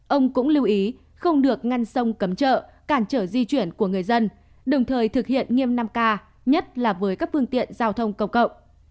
ông cũng lưu ý không được ngăn sông cấm chợ cản trở di chuyển của người dân đồng thời thực hiện nghiêm năm k nhất là với các phương tiện giao thông công cộng